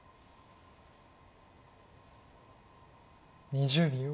２０秒。